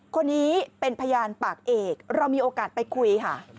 คนนี้เป็นพยานปากเอกเรามีโอกาสไปคุยค่ะ